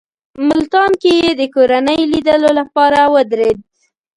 ملتان کې یې د کورنۍ لیدلو لپاره ودرېد.